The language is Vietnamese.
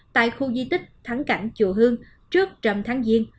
tại khu di tích thắng cảnh chùa hương trước trầm tháng diên